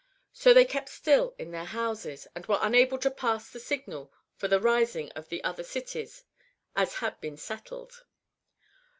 So they kept still in their houses, and were unable to pass the signal for the rising of the other cities as had been settled.